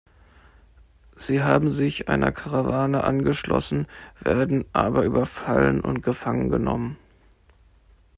Sie haben sich einer Karawane angeschlossen, werden aber überfallen und gefangen genommen.